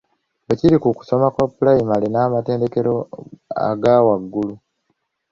Bwe kiri ku kusoma kwa pulayimale n’amatendekero aga waggulu.